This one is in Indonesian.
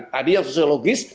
tadi yang sosiologis